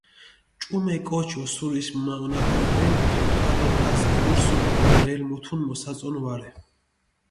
ჭუმე კოჩი ოსურიში მჷმაჸონაფალი რენ, ტყა დო ტყას გილურსჷნ, ბრელი მუთუნ მოსაწონი ვარე.